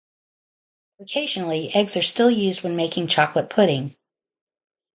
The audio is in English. Occasionally, eggs are still used when making chocolate pudding.